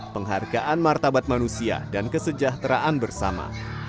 penghargaan martabat manusia dan kesejahteraan bersama